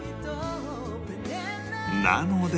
なので